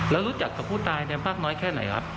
แล้วรู้จักกับผู้ตายมากน้อยแค่ไหนครับ